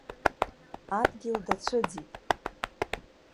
Адгьыл дацәыӡит.